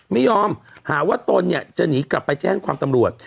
ไม่ยอมหาว่าตนเนี่ยจะหนีกลับไปแจ้งความตำรวจ